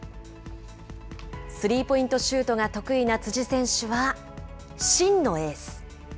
スリーポイントシュートが得意な辻選手は真のエース。